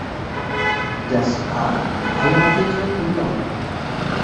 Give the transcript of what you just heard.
Das Paar heiratete in London.